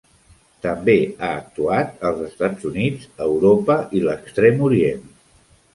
També ha actuat als Estats Units, Europa i l'Extrem Orient.